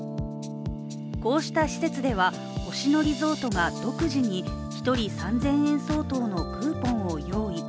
こうした施設では、星野リゾートが独自に１人３０００円相当のクーポンを用意。